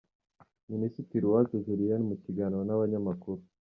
Minisitiri Uwacu julienne mu kiganiro n'abanyamakuru.